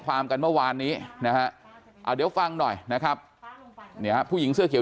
ความกันเมื่อวานนี้นะฮะเดี๋ยวฟังหน่อยนะครับเนี่ยผู้หญิงเสื้อเขียว